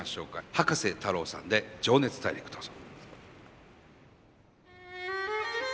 葉加瀬太郎さんで「情熱大陸」どうぞ。